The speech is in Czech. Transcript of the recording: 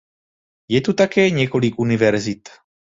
Je tu také několik univerzit.